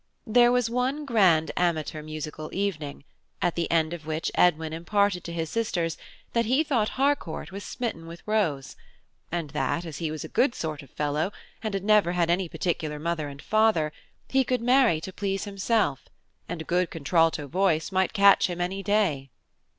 There was one grand amateur musical evening, at the end of which Edwin imparted to his sisters that he thought Harcourt was smitten with Rose, and that, as he was a good sort of fellow, and had never had any particular father and mother, he could marry to please himself, and a good contralto voice might catch him any day.